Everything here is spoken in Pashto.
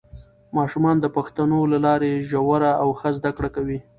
ماشومان د پوښتنو له لارې ژوره او ښه زده کړه کوي